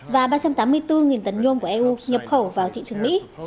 và ba trăm tám mươi bốn tấn nhôm của eu nhập khẩu vào thị trường mỹ